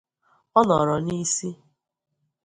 ọ nọrọ n'isi.